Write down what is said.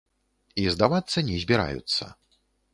І здавацца не збіраюцца.